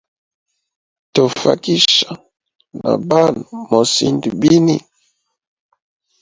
Tofakisha na banwe mosind bini?